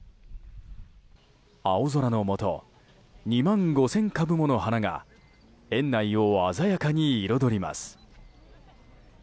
青空のもと２万５０００株もの花が園内を鮮やかに彩ります。